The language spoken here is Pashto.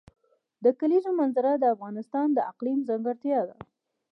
د کلیزو منظره د افغانستان د اقلیم ځانګړتیا ده.